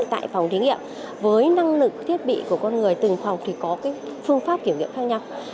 tại phòng thí nghiệm với năng lực thiết bị của con người từng phòng thì có phương pháp kiểm nghiệm khác nhau